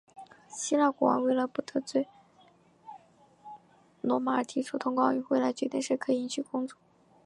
希腊国王为了不得罪罗马而提出通过奥运会来决定谁可以迎娶公主。